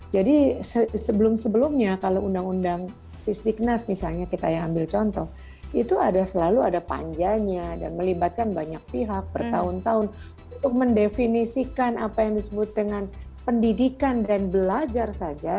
sebelum sebelumnya kalau undang undang sisdiknas misalnya kita ya ambil contoh itu selalu ada panjanya dan melibatkan banyak pihak bertahun tahun untuk mendefinisikan apa yang disebut dengan pendidikan dan belajar saja